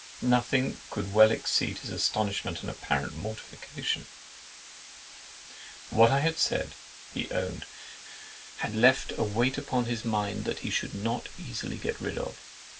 Nothing could well exceed his astonishment and apparent mortification. "What I had said," he owned, "had left a weight upon his mind that he should not easily get rid of."